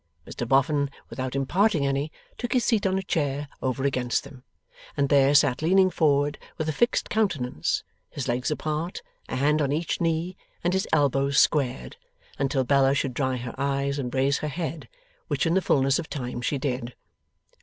Mr Boffin, without imparting any, took his seat on a chair over against them, and there sat leaning forward, with a fixed countenance, his legs apart, a hand on each knee, and his elbows squared, until Bella should dry her eyes and raise her head, which in the fulness of time she did.